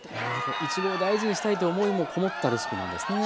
これいちごを大事にしたいという思いもこもったレシピなんですね。